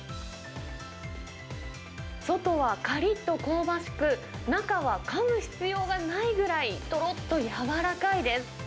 外はかりっと香ばしく、中は、かむ必要がないぐらい、とろっと柔らかいです。